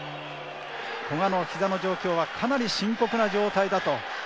古賀のひざの状況はかなり深刻な状態だと。